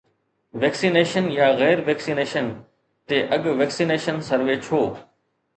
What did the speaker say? Vaccination يا غير vaccination تي اڳ-ويڪسينيشن سروي ڇو؟